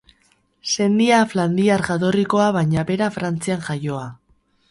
Sendia Flandriar jatorrikoa baina bera Frantzian jaioa.